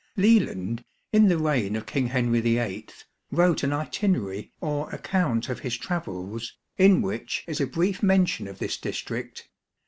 Leland, in the reign of King. Henry VIII, wrote an Itinerary or account of his travels, in which is a brief mention of this district.